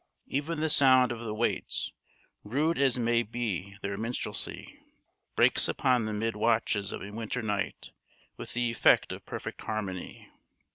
Even the sound of the waits, rude as may be their minstrelsy, breaks upon the mid watches of a winter night with the effect of perfect harmony.